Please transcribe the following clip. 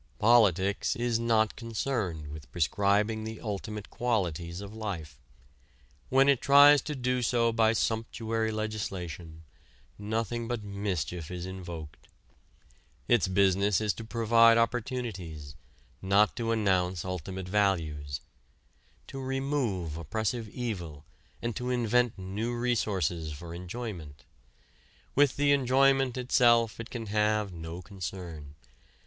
Politics is not concerned with prescribing the ultimate qualities of life. When it tries to do so by sumptuary legislation, nothing but mischief is invoked. Its business is to provide opportunities, not to announce ultimate values; to remove oppressive evil and to invent new resources for enjoyment. With the enjoyment itself it can have no concern.